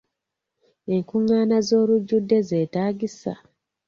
Enkungaana z'olujjudde zeetaagisa?